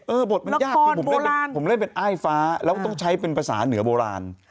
บทมันยากคือผมเล่นเป็นอ้ายฟ้าแล้วก็ต้องใช้เป็นภาษาเหนือโบราณ